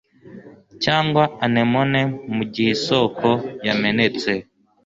Cyangwa anemone mugihe isoko yamenetse